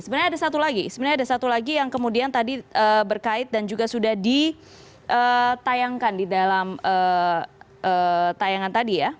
sebenarnya ada satu lagi sebenarnya ada satu lagi yang kemudian tadi berkait dan juga sudah ditayangkan di dalam tayangan tadi ya